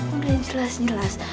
udah yang jelas jelas